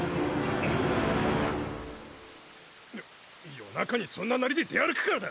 夜中にそんなナリで出歩くからだ！